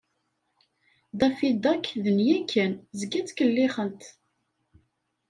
Daffy Duck d nneyya kan, zgan ttkellixen-t.